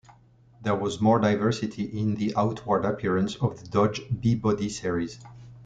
There was more diversity in the outward appearance of the Dodge B-body series.